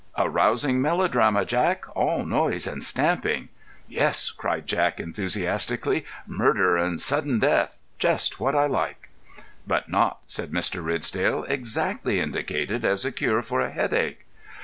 "A rousing melodrama, Jack! All noise and stamping." "Yes," cried Jack, enthusiastically. "Murder and sudden death—just what I like." "But not," said Mr. Ridsdale, "exactly indicated as a cure for a headache."